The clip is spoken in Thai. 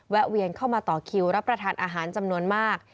เวียนเข้ามาต่อคิวรับประทานอาหารจำนวนมาก